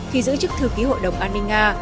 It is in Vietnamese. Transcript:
khi giữ chức thư ký hội đồng an ninh nga